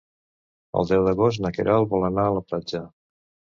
El deu d'agost na Queralt vol anar a la platja.